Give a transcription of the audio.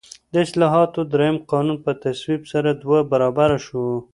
د اصلاحاتو درېیم قانون په تصویب سره دوه برابره شو.